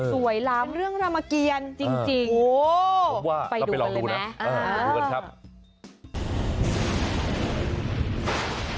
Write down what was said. สวยล้ำเป็นเรื่องรามเกียรติจริง